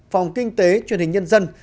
phòng kinh tế truyền hình nhân dân